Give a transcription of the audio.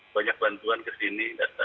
banyak bantuan kesini datang